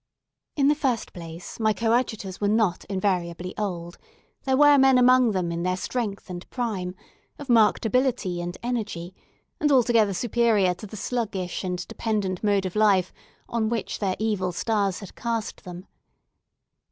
In the first place, my coadjutors were not invariably old; there were men among them in their strength and prime, of marked ability and energy, and altogether superior to the sluggish and dependent mode of life on which their evil stars had cast them.